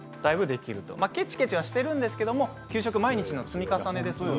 けちけちはしているんですけど給食毎日の積み重ねですので。